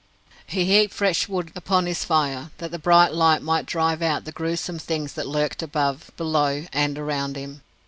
He heaped fresh wood upon his fire, that the bright light might drive out the gruesome things that lurked above, below, and around him.